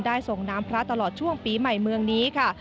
ส่งน้ำพระตลอดช่วงปีใหม่เมืองนี้ค่ะ